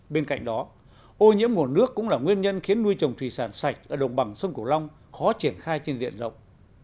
bên cạnh đó ô nhiễm nguồn nước cũng là nguyên nhân khiến nuôi trồng thủy sản sạch ở đồng bằng sông cửu long khó triển khai trên diện rộng